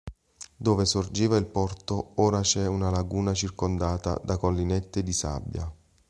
Dove sorgeva il porto ora c'è una laguna circondata da collinette di sabbia.